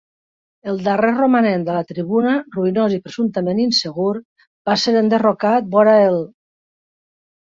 El darrer romanent de la tribuna, ruïnós i presumptament insegur, va ser enderrocat vora el